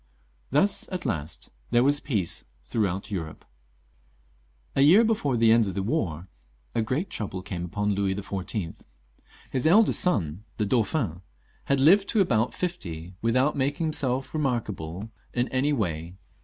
Thus, at last, there was peace through aU. Europe. A year before the end of the war a great trouble came upon Louis XIV. His eldest son, the Dauphin, had lived to be about fifty without making himseK remarkable in any kind of way.